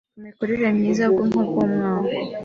ku mikurire myiza y’ubwonko bw’umwana,